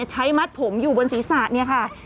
ใช้มัดผมอยู่บนศีรษะเนี่ยค่ะ